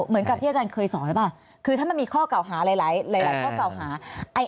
เหมือนกับที่อาจารย์เคยสอนหรือเปล่าคือถ้ามันมีข้อเก่าหาหลายข้อเก่าหา